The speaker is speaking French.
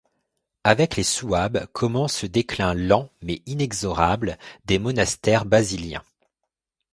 Avec les souabes commence le déclin lent mais inexorable des monastères basiliens.